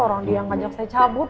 orang dia yang pajak saya cabut